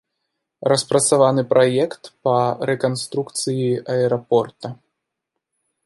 Распрацаваны праект па рэканструкцыі аэрапорта.